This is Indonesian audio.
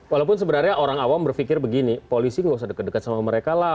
walaupun sebenarnya orang awam berpikir begini polisi gak usah dekat dekat sama mereka lah